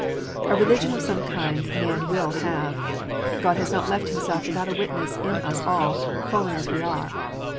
A religion of some kind man will have. God has not left Himself without a witness in us all, fallen as we are.